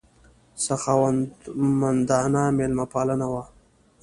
سخاوتمندانه مېلمه پالنه وه.